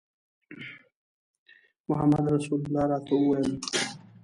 محمدرسول راته وویل.